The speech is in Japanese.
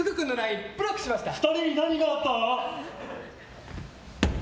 ２人に何があった？